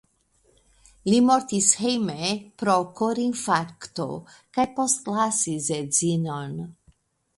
Li mortis hejme pro korinfarkto kaj postlasis edzinon.